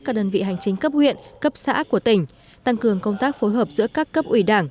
các đơn vị hành chính cấp huyện cấp xã của tỉnh tăng cường công tác phối hợp giữa các cấp ủy đảng